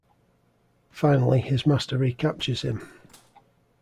Finally, his master recaptures him.